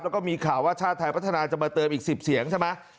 แล้วก็มีข่าวว่าชาติไทยพัฒนาจะมาเติมอีก๑๐เสียงใช่ไหม